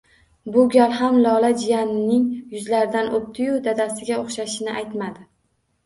Bu gal ham Lola jiyanining yuzlaridan o`pdi-yu, dadasiga o`xshashini aytmadi